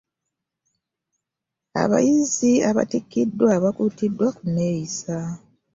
Abayizi abattikiddwa bakutiddwa ku nneyisa.